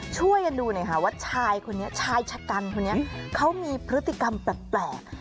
ช่วยดูว่าชายชะกันเขามีพฤติกรรมแปลก